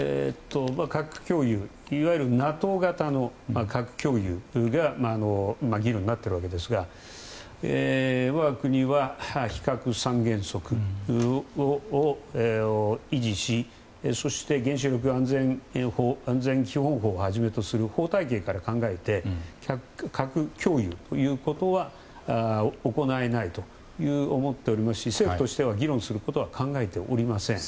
いわゆるＮＡＴＯ型の核共有が議論になっているわけですが我が国は非核三原則を維持しそして原子力安全基本法をはじめとする法体系から考えて核共有ということは行えないと思っておりますし政府としては議論することは考えておりません。